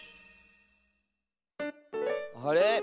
あれ？